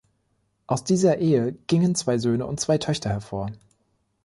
Aus dieser Ehe gingen zwei Söhne und zwei Töchter hervor.